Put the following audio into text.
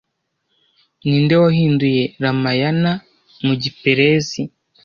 Ninde wahinduye Ramayana mu Giperesi